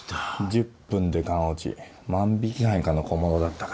１０分で完落ち万引き犯以下の小物だったか。